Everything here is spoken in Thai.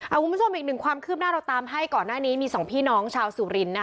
คุณผู้ชมอีกหนึ่งความคืบหน้าเราตามให้ก่อนหน้านี้มีสองพี่น้องชาวสุรินทร์นะคะ